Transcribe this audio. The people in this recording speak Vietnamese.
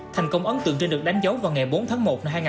thành công ấn tượng trên được đánh dấu vào ngày bốn tháng một